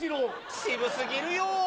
渋過ぎるよ。